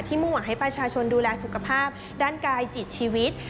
มุ่งหวังให้ประชาชนดูแลสุขภาพด้านกายจิตชีวิต